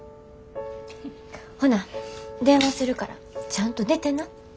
ほな電話するからちゃんと出てな。